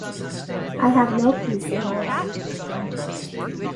I have no peace in my life.